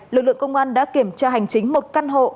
lực lượng công an đã kiểm tra hành chính một căn hộ